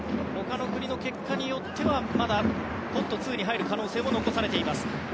他の国の結果によってはまだポット２に入る可能性も残されています。